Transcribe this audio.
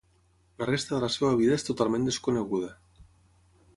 La resta de la seva vida és totalment desconeguda.